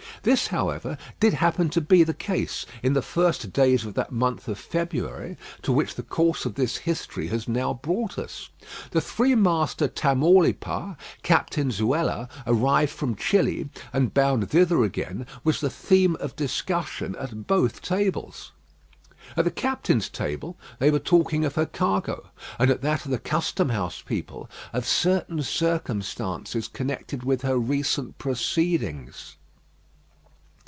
This, however, did happen to be the case in the first days of that month of February to which the course of this history has now brought us. The three master Tamaulipas, Captain Zuela, arrived from Chili, and bound thither again, was the theme of discussion at both tables. At the captains' table they were talking of her cargo; and at that of the custom house people, of certain circumstances connected with her recent proceedings.